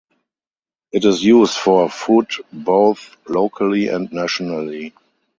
It is used for food both locally and nationally.